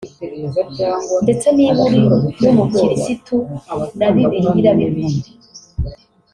ndetse niba uri n’Umukirisitu na Bibiliya irabivuga